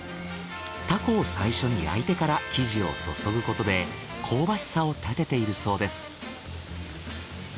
たこを最初に焼いてから生地をそそぐことで香ばしさをたてているそうです。